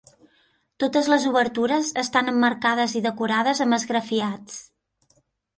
Totes les obertures estan emmarcades i decorades amb esgrafiats.